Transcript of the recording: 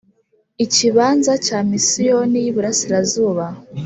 Ikibanza cya Misiyoni y Iburasirazuba